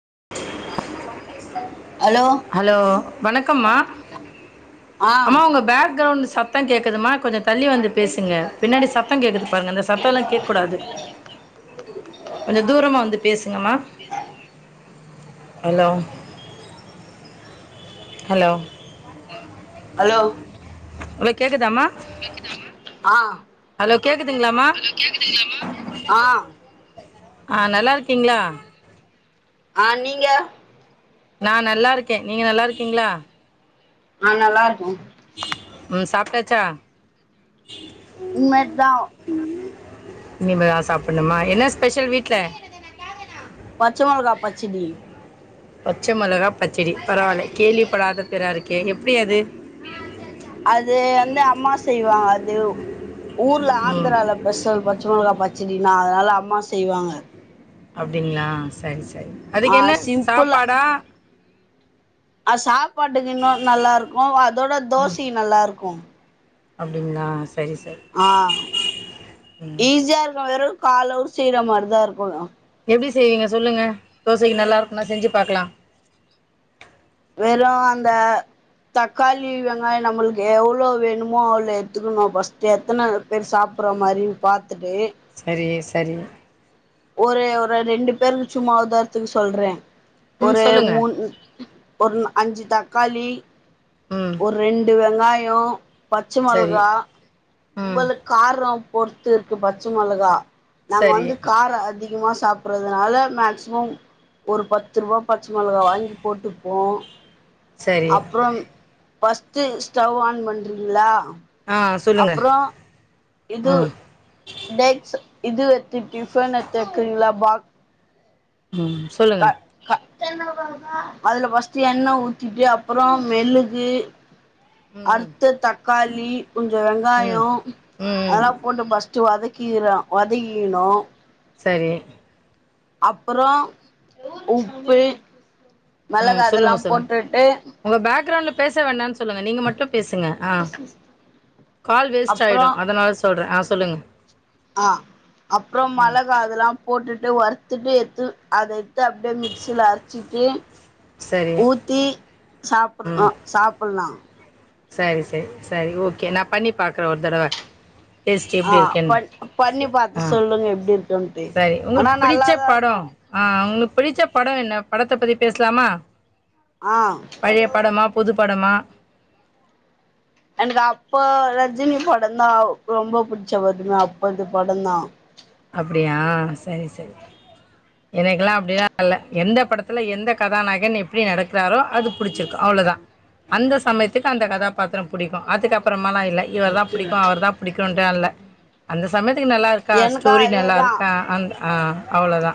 [unintelligible] Hello வணக்கம்மா ஆ அம்மா உங்க பேக் க்ரௌண்டு சத்த கேக்குதுமா கொஞ்ச தள்ளி வந்து பேசு ங்க பின்னாடி சத்த கேக்குது பாருங்க அந்த சத்த எல்லா கேட்ககூடாது கொஞ்ச தூரமா வந்து பேசுங்கமா ஹலோ ஹலோ ஹலோ ஹலோ கேக்குதாமா கேக்குதாமா ஆ கேக்குதுங்களாம்மா ஹலோ கேக்குதுங்ளாமா ஆ ஆ நல்லா இருக்கீங்ளா ஆ நீங்க நா நல்லா இருக்கே நீங்க நல்லா இருக்கீங்ளா ஆ நல்லா இருக்கே ம் சாப்டாச்சா இனிமேட் தா இனிமே தா சாப்டணுமா என்ன ஸ்பெஷல் வீட்ல பச்ச மொளகா பச்சடி பச்ச மெளகா பச்சடி பரவால்ல கேள்விப்படாத பேறா இருக்கே எப்டி அது அது வந்து அம்மா செய்வாங்க அது ஊர்ல ம் ஆந்திரல பெசல் பச்ச மொளகா பச் பச்சடி அதனால அம்மா செய்வாங்க அப்டீங்ளா சரி சரி ஆ அதுக்கு என்ன சாப்பாடா அ சாப்பாட்டுக்கு இன்னு நல்லா இருக்கு அதோட தோசைக்கு நல்லா இருக்கு அப்டிங்களா சரி சரி ஆ ம் ஈஸியா இருக்கு வெறு காலவ்ர் சீரம் மாரிதா இருக்கு எப்டி செய்வீங்க சொல்லுங்க தோசைக்கு நல்லா இருக்கும்னா செஞ்சு பாக்கலா வெறு அந்த தக்காளி வெங்காயோ நம்மளுக்கு எவ்ளோ வேணுமோ அவ்ளோ எடுத்துக்கணு ஃபர்ஸ்டு எத்தன பேரு சாப்பிட்ற மாரினு பாத்துட்டு சரி சரி ஒரு ஒரு ரெண்டு பேருக்கு சும்மா உதார்த்துக்கு சொல்றே ம் ஒறே சொல்லுங்க முன் ஒன்னு அஞ்சு தக்காளி ம் ஒரு ரெண்டு வெங்க வாயோ பச்ச சரி மொளகா ம் உங்களுக்கு கார ளாபொறுத்து இருக்கு பச்ச மொளகா நாங்க சரி வந்து காரோ அதி அதிகமா சாப்பிட்றதுனால மேக்சிமம் ஒரு பத்து ரூவா பச்ச மொளகா வாங்கி போட்டுப்போ சரி அப்றோ ஃபர்ஸ்ட்டு ஸ்டவ் ஆன் பண்றிங்களா ஆ சொல்லுங்க அப்புறோ இது ம் டேக்ஸ் இது எத்து டிஃபன் எட்த்து வொக்குறீங்களா பாக்ஸ் உ சொல்லுங்க அதுல ஃபஸ்ட்டு எண்ண ஊத்திட்டு அப்பறோ மெலுகு ம் அர்த்த தக்காளி உ [unintelligible] கொஞ்ச ம் வெங்காயோ ம் அதெல்லா போட்டு ஃபஸ் வதிக்கிகிறோ வதிக்கிகினோ சரி அப்பறோ உப்பு ம் மிளகா அதெல்லா சொல்லுங்க சொல்லுங்க போட்டுட்டு உங்க பேக்ரவுண்ட்ல பேச வேணாணு சொல்லுங்க நீங்க மட்டு பேசுங்க ஆ கால் வேஸ்ட் ஆயிடு அதனால சொல்றே ஆ சொ சொல்லுங்க அ அப்றோ ம் மெளகா அதெல்லா போட்டுட்டு வறுத்துட்டு எட்து அத எட்த்து அப்படியே மிக்சில அரச்சிட்டு சரி ஊத்தி சாப்பிட்ற ம் ஆ சாப்புலா சரி சரி சரி ஓகே நா பண்ணி பாக்குறே ஒரு தடவ டேஸ்ட் ஆ எப்படி இருக்குன்னு பண் பண்ணி பாத்து ஆ சொல்லுங்க எப்டி இருக்குன்ட்டு சரி ஆனா உங்களுக்கு பிடிச்ச நல்லாதா படோ இருக்கு ஆ உங்களுக்கு பிடிச்ச படோ என்ன படத்த பத்தி பேசலாமா ஆ பழைய படமா பொதுப்படமா எனக்கு அப்போ ரஜினி படந்தா ரொம்ப புடிச்ச வரும அப்பத்தி பட தா அப்டியா செரி செரி எனக்கெல்லா அப்படிலா இல்ல எந்த படத்துல எந்த கதாநாயகன் எப்படி நடக்கிறாரோ அது புடிச்சிருக்கு அவ்ளோதா அந்த சமயத்துக்கு அந்த கதாபாத்திரோ பிடிக்கோ அதுக்கப்புறமா ந இ இவர தா பிடிக்கோ அவர தா புடிகன்டுன்லா இல்ல அந்த சமயத்து நல்லா இருக்கா எனக்கு ஸ்டோரி நல்லா அதேதா இருக்கா அந் ஆ அவ்ளோதா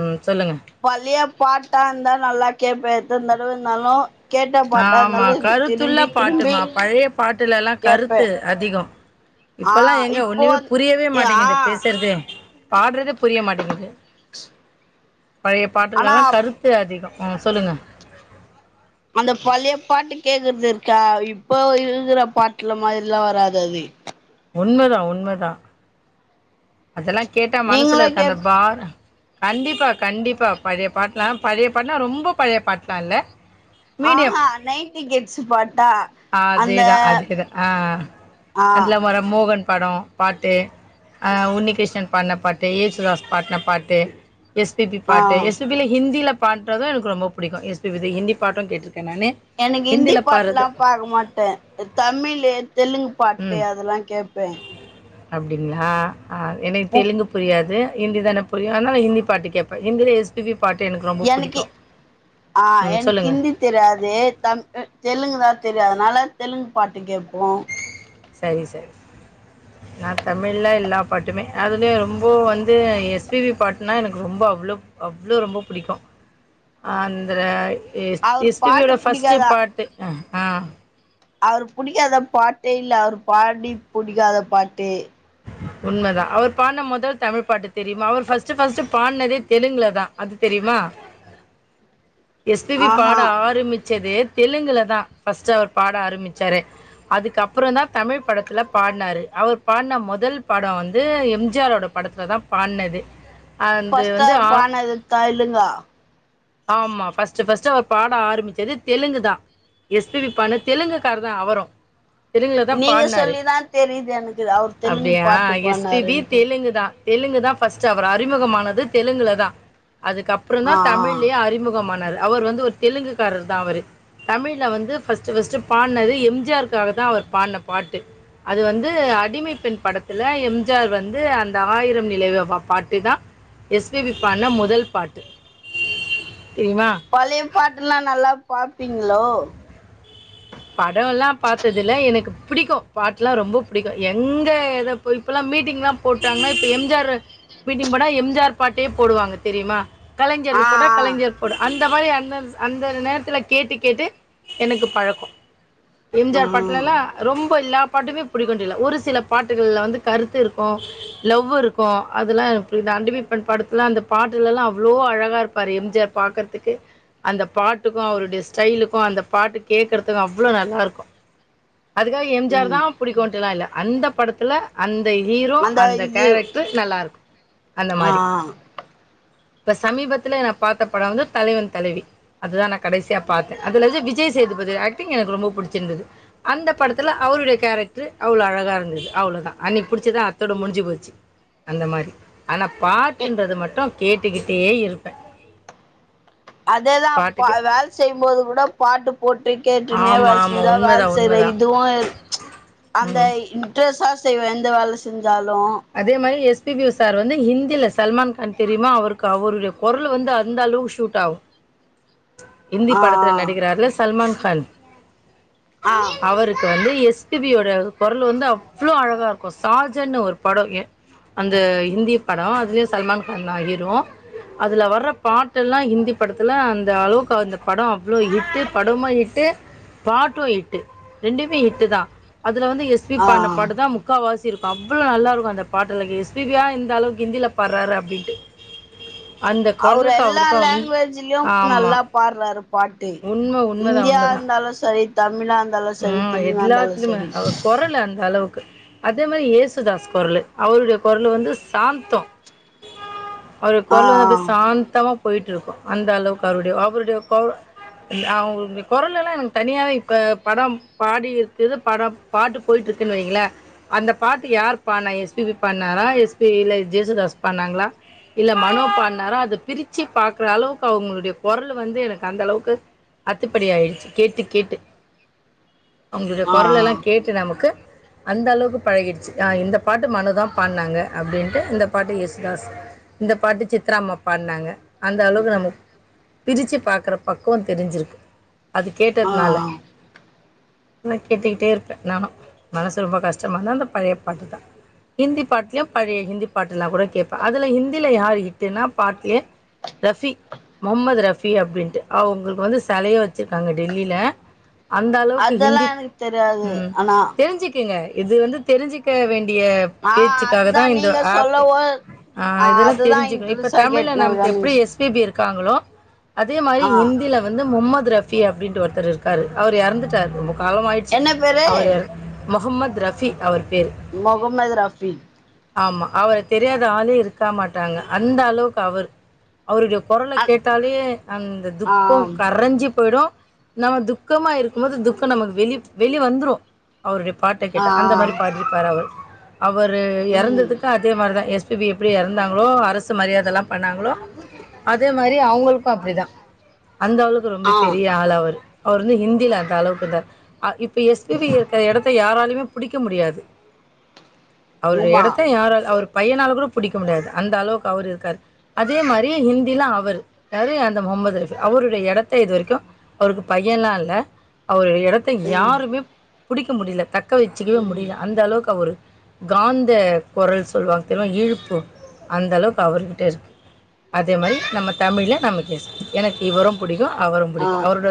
உ சொல்லுங்க பழைய பாட்டா இருந்தா நல்லா கேப்பே எத்தன தடவா இருந்தாலு கேட்ட பாட்டா ஆமா இருந்தாலு கருத்துள்ள திரும்பி திரும்பி பாட்டுமா பழைய பாட்டுலெல்லா கேப்பே கருத்து அதிகோ ஆ இப்பல்லா எங்க இப்போ ஒண்ணுமே வந் புரியவே ஆ மாட்டேங்குது பேசுறதே பாடுறதே புரிய மாட்டேங்கிது பழைய ஆனா பாட்டுலெல்லா கருத்து அதிகோ ஆ சொல்லுங்க அந்த பழைய பாட்டு கேக்குறது இருக்கா இப்போ இருகுற பாட்டுல மாதிரிலா வராது அது உண்மைதா உண்மைதா அதெல்லா கேட்டா மனசு நீங்களு இருக்க அந்த கேப் பாரோ கண்டிப்பா கண்டிப்பா பழைய பாட்லா பழைய பாட்டுலா ரொம்ப பழைய பாட்டுலா இல்ல மீடியம். ஆஹா நைட்டு கெட்ச்சு பாட்டா அந்த அதேதா அதேதா ஆ ஆ அந்தல வர மோகன் படோ பாட்டு ஆ உன்னிகிருஷ்ணன் பாடின பாட்டு இயேசுதாஸ் பாடுன பாட்டு எஸ் பி பி ஆ பாட்டு எஸ் பி பில ஹிந்தில பண்றது எனக்கு ரொம்ப புடிக்கு எஸ் பி பி து ஹிந்தி பாட்டு கேட்டுறுக்கே எனக்கு ஹிந்தி பாட்டெல்லா பாக்க மாட்டே ன் தமிழ் தெலுங்கு பாட்டு அதெல்லா கேப்பே அப்டிங்ளா ஆ எனக்கு முக் தெலுங்கு புரியாது ஹிந்திதான புரியு அதனால ஹிந்தி பாட்டு கேப்பே ஹிந்தில எஸ் பி பி பாட்டு ரொம்ப எனக்கு புடிக்கு ஆ ம் எனக்கு சொல்லுங்க ஹிந்தி தெரியாது-த - தெலுங்கு தா தெரியு அதனால தெலுங்கு பாட்டு கேப்போ சரி சரி நா தமிழ எல்லா பாட்டுமே அதுலயு ரொம்ப வந்து எஸ் பி பி பாட்டுனா எனக்கு ரொம்ப அவ்ளோ அவ்ளோ ரொம்ப பிடிக்கு அந்த எ அவரு எஸ் பி பி பாட்டு யோட ஃபஸ்ட்டு புடிக்காதா பாட்டு ஆ அவரு புடிக்காத பாட்டே இல்ல அவரு பாடி புடிக்காத பாட்டே உண்மதா அவர் பாடுன மொதல் தமிழ் பாட்டு தெரியுமா அவர் ஃபஸ்டு ஃபஸ்டு பாடுனதே தெலுங்குல தா அது தெரியுமா எஸ் பி பி ஆஹா பாட ஆரம்பிச்சதே தெலுங்குல தா ஃபஸ்ட்டு அவர் பாட ஆரம்பிச்சாரு அதுக்கப்ற தா தமிழ் படத்ல பாடுனாரு அவர் பாடுன மொதல் பட வந்து எம் ஜி ஆ ரோட படத்ல தா பாடுனது அது பஸ்ட்டா வந்து அவரு ஆ பாடுனது தெலுங்கா ஆமா பஸ்டு பஸ்டு அவர் பாட ஆரம்பிச்சது தெலுங்கு தா எஸ் பி பி பாடுனது தெலுங்குக்காரு தா அவரு நீங்க சொல்லிதா தெரியுது எனக்கு அவர் தெலுங்கு அப்டியா பாட்டு எஸ் பி பி பாடுனாருன்ட்டு தெலுங்கு தான் தெலுங்கு தா ஃபஸ்டு அவர் அறிமுகமானது தெலுங்குல தா அதுக்கப்றோ தா ஆ ஆ தமிழ்லயே அறிமுகமான அவர் வந்து ஒரு தெலுங்குக்காரர் தா அவரு தமிழ்ல வந்து ஃபஸ்டு ஃபஸ்டு பாடுனது எம் ஜி ஆ ருக்காகதா அவர் பாடுன பாட்டு அது வந்து அடிமைப்பெண் படத்துல எம் ஜி ஆர் வந்து அந்த ஆயிரம் நிலவே பாட்டு தா எஸ் பி பி பாடுன மொதல் பாட்டு தெரியுமா பழய பாட்டெல்லா நல்லா பாப்பீங்ளோ படோ எல்லா பாத்தது இல்ல எனக்கு பிடிக்கு பாட்லா ரொம்ப பிடிக்கு எங்க எத இப்பல்லா மீட்டிங்லா போட்டாங்னா இப்ப எம் ஜி ஆர் மீட்டிங் போனா எம் ஜி ஆர் பாட்டே போடுவாங்க தெரியுமா கலைஞர் ஆ போடா ஆ கலைஞர் போட அந்த இந்த மாரி அந்த அந்த நேரத்ல கேட்டு கேட்டு எனக்கு பழக்கொ எம் ஜி ஆர் பாட்ல ம் எல்லா ரொம்ப லாப பாட்டுமே பிடிக்குண்ருல ஒரு சில பாட்டுகளில்ல வந்து கருத்து இருக்கு லவ் இருக்கு அதெலா இந்த அண்டமிப்பன் படத்ல அந்த பாட்டுலெல்லா அவ்ளோ அழகாக இருப்பாரு எம் ஜி ஆர் பாக்குறதுக்கே அந்த பாட்டுக்கு அவருடைய ஸ்டைலுக்கு அந்த பாட்டு கேட்குறதுக்கு அங்க அவ்ளோ நல்லா இருக்கு அதுக்காக எம் ஜி ஆர் தா ம் பிடிக்கும்ன்டுல்லா இல்ல அந்த படத்துல அந் த ஹீரோ அந்த கேரக்ட்ரு நல்லா இருக்கு அந்த ஆ மாரி இப்ப சமீபத்துல நா பாத்த படோ வந்து தலைவன் தலைவி அதுதா நா கடைசியா பாத்தே அதுல வந்து விஜயசேதுபதி ஆக் டிங் எனக்கு ரொம்ப புடிச்சிருந்தது. அந்த படத்துல அவருடைய கேரக்ட்ரு அவ்ளோ அழகா இருந்தது அவ்ளவுதா. அன்னக்கி புடிச்சது அத்தோட முடிஞ்சு போச்சு அந்த மாரி ஆனா பாட்டுன்றது மட்டு கேட்டுக்கிட்டே இருப்பே. அதேதா அப் அ வேல செய்யும்போது கூட பாட்டு போட்டு கேட்டுனே ஆமா வேல ஆமா செஞ்சா வேல உண்மைதான் செய்ற உண்மைதான் இதுவு அந்த ம் இன்ட்ரஸா செய்வே எந்த வேல செ அதே மாரி எஸ் பி பி சார் வந்து ஹிந்தில சல்மான் கான் தெரியுமா அவருக்கு அவருடைய கொரலு வந்து அந்த அளவுக்கு ஷூட் ஆகு இந்தி ஆ படத்துல நடிக்கிறார்ல சல்மான் கான் ஆ ஆ அவருக்கு வந்து எஸ் பி பி யோட கொரலு வந்து அவ்ளோ அழகா இருக்கு சாஜன்னு ஒரு படோ எ அந்த இந்தி படோ அதுலயு சல்மான் கான் தா ஹீரோ அதுல வர்ற பாட்டெல்லா ஹிந்தி படத்துல அந் த அளவுக்கு அந்த படோ அவ்ளோ ஹிட்டு படமு ஹிட்டு பாட்டு ஹிட்டு ரெண்டுமே ஹிட்டுதா அதுல வந்து எஸ் பி ஆ பாடுன பாட்டுதா முக்காவாசி ச்சிருக்கு அவ்ளோ நல்லா இருக்கு அந்த பாட்டல்லா எஸ் பி பி யா இந்த அளவுக்கு இந்தில பாடறாரு அப்டின்ட்டு. அவரு எல்லா லேங்குவேஜ்லயு நல்லா ஆமாம் பாட்றாரு பாட்டு உண்மை உண்மைதான் இந்தியா உண்மைதான் இருந்தாலு சரி தமிழா இருந் ம் எல்லாத்துலிமே அவர் கொரலு அந்த அளவு க்கு அதே மாரி யேசுதாஸ் கொரலு அவருடைய கொரலு வந்து சாந்தொ அவரு ஆ கொரலு வந்து அப்டியே சாந்தமா போயிட்ருக்கு அந்த அளவுக்கு அவருடைய அவருடைய கொ இல் அவருடைய கொரலெல்லா எனக்கு தனியாவே இப்ப படம் பாடி இருக்குது பட பாட்டு போயிட்ருக்குனு வைங்களே அந்த பாட்டு யாரு பாடுனா எஸ் பி பி பாடுனாரா எஸ் பி இல்ல ஜேசுதாஸ் பாடுனாங்ளா இல்ல மனோ பாடுனாரா அத பிரிச்சி பாக்கற அளவுக்கு அவுங்களுடைய கொரலு வந்து எனக்கு அந்த அளவுக்கு அத்துப்படி ஆயிடுச்சு கேட்டு கேட்டு அவுங்களுடைய ஆ கொரலலா ஆ கேட்டு நமக்கு அந்த அளவுக்கு பழகிடுச்சு ஆ இந்த பாட்டு மனோதா பாடுனாங்க அப்டின்ட்டு இந்த பாட்டு யேசுதாஸ் இந்த பாட்டு சித்ராம்மா பாடுனாங்க அந்த அளவுக்கு நமக் பிரிச்சி பாக்குற பக்குவோ தெரிஞ்சிருக்கு அது ஆ கேட்டதுனால நா கேட்டுக்கிட்டே இருப்பே நானு மனசு ரொம்ப கஷ்டமா இருந்தா அந்த பழைய பாட்டுதா. ஹிந்தி பாட்டுலயு பழைய ஹிந்தி பாட்டுலா கூட கேப்பே. அதுல ஹிந்தில யாரு ஹிட்டுனா பாட்டுலயே ரஃபி முஹம்மது ரஃபி அப்டின்ட்டு அவுங்களுக்கு வந்து செலையே வெச்சிருக்காங்க டெல்லில அந்த அளவுக்கு அதெல்லா ஹிந்தி எனக்கு தெரியாது ம் ஆனா தெரிஞ்சிக்கிங்க. இது வந்து தெரிஞ்சிக்க வேண் கூடிய ஆ பேச்சுக்காக அதுதா தான் இந்த நீங்க ஆப் சொல்லவோ ஆ இதெல்லா அதுதா தெரிஞ்சுக்க இப்ப இன்ட்ரெஸ்டா தமிழ்ல கேட்டுனு நமக்கு இருக்கே நீங்க எப்டி சொ எஸ்பிபி இருக்காங்களோ அதே மாரி ஆ ஹிந்தில வந்து முகமது அப்டின்ட்டு ஒருத்தர் இருக்காரு அவரு இறந்துட்டாரு காலம் ஆயிடுச்சு என்ன பேரு அவரு முகம்மது ரஃபிக் அவரு மொகம்மது ரஃபீக் ஆமா அவர தெரியாத ஆளே இருக்கா மாட்டாங்க அந்த அளவுக்கு அவரு அவருடைய கொரல அ கேட்டாலே அந்த ஆ துக்கம் கரைஞ்சி போயிடும் நம்ம துக் துக்கமா இருக்கும்போது துக்கம் நமக்கு வெளி வெளியே வந்துரும் அவருடைய பாட்ட ஆ கேட்டா அந்த மாரி பாடியிருப்பாரு அவரு அவர் ம் இறந்ததுக்கு அதே மாரிதான் எஸ் எப்டி எறந்தாங்களோ அரசு மரியாதையல்லா பண்ணாங்களோ அதே மாரி அவுங்களுக்கோ அப்டிதா அந்த அளவுக்கு ரொம்ப ஆ பெரிய ஆளு அவுரு அவர் வந்து ஹிந்தியில அந்த அளவுக்குயிருந்தாரு அ இப்ப எஸ்பிபி இருக்கிற எடத்த யாராலுமே புடிக்க முடியாது அவருடைய உமா எடத்த யாரல அவு பையனால் கூட புடிக்க முடியாது அந்த அளவுக்கு அவரு இருக்காரு அதே மாரி ஹிந்தில அவரு யாரு அந்த முகமது ரஃப்க்அவருடைய எடத்த இது வரைக்கும் அவருக்கு பையன்ல்லாம் இல்ல அவர் எடத்தை ம் யாருமே பிடிக்க முடியல தக்க தக்க வச்சுக்கவே ம் முடியல அந்த அளவுக்கு அவரு காந்த குரல் சொல்லுவாங்க தெரியுமா ஈர்ப்பு அந்த அளவுக்கு அவர்கிட்ட இருக்கு அதே மாதிரி நம்ம தமிழ்ல நம்ம எஸ்பிபி எனக்கு இவரும் பிடிக்கும் அவரும் ஆ பிடிக்கும் அவரோட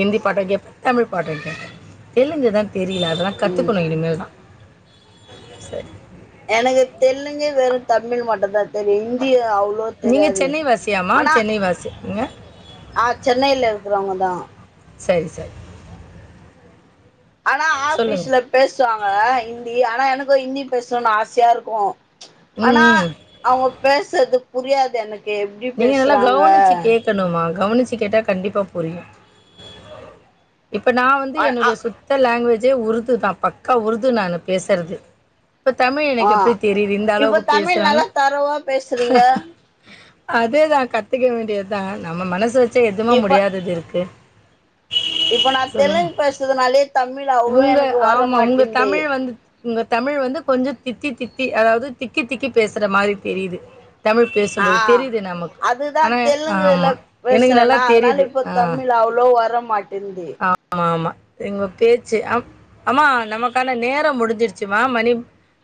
ஹிந்தி பாட்ட கேட்பேன் தமிழ் பாட்ட கேட்பேன் தெலுங்கு தான் தெரியல அதெல்லாம் ம் கத்துக்கணும் இனிமேல் தான் செரி எனக்கு தெலுங்கு வெறு தமிழ் மட்டுதா தெரியு இந்திதா அவ் அவ்ளவா நீங்க தெரியாது சென்னை வாசியாம்மா ஆனா சென்னை வாசிங்க ஆ சென்னையில இருக்கிறவங்க தா சரி சார் ஆனா ஆஃபிஸ்ல பேசுவாங்க இந்தி ஆனா எனக்கு ஹிந்தி பேசணுனு ஆசையா இருக்கு ஆனா ம் அவங்க பேசுறது புரியாது எனக் நீங்க அதலா கவனிச்சு கேக்ணுமா கவனிச்சு கேட்டா கண்டிப்பா புரியு இப்ப நா வந்து அ ஆ என்னுடைய சுத்த லாங்குவேஜ் தே உருதுதா பக்கா உருது நானு பேசுறது இப்ப தமிழ் ஆ எனக்கு எப்டி தெரியுது இந்த இப்ப அளவுக்கு தமிழ் பேசுறானு நல்லா தரவா பேசுறீங்க அதேதா கத்துக்க வேண்டியதா நம்ம மனசு வச் சா எதுமே இப்ப முடியாதது இருக்கு இப்ப நா சொல்லுங்க தெலுங்கு பேசுறனாலயே தமிழ் அவ்ளவா எனக்கு வர மாட்டேங்தே இங்க தமிழ் வந்து கொஞ்சோ தித்தி தித்தி அதாவது திக்கி திக்கி பேசுற மாரி தெரியுது தமிழ் பேசும்போது ஆ தெரியுது நமக்கு. அதுதா ஆனா தெலுங்குல ஆமா. எனக்கு நல்லா பேசுறேனா அதனால தெரியுது. இப்ப தமிழ் அவ்ளோ வர மாட்டேன்து ஆ ஆமா ங்க பேச்சு ஆமா நமக்கான நேரோ முடிஞ்சிருச்சுமா மணி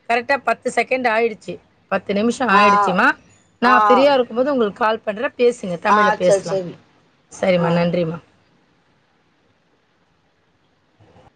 கரெக்டா பத்து செகண்ட் ஆயிடுச்சு பத்து நிமிஷோ ஆ ஆயிடுச்சுமா நா ஆ ஃபிரீயா இருக்கும்போது உங்களுக்கு கால் பண்ர பேசுங்க ஆ தமிழ்ல சரி பேசலா சரி சரிம்மா ஆ நன்றிம்மா